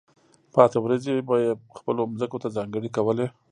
پاتې ورځې به یې خپلو ځمکو ته ځانګړې کولې.